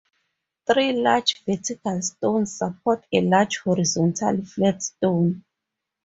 Three large vertical stones support a large horizontal flat stone.